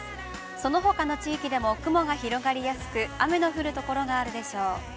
そのほかの地域でも雲が広がりやすく、雨の降るところがあるでしょう。